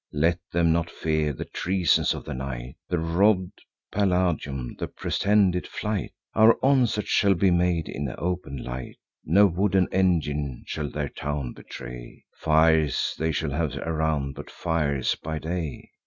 Let them not fear the treasons of the night, The robb'd Palladium, the pretended flight: Our onset shall be made in open light. No wooden engine shall their town betray; Fires they shall have around, but fires by day.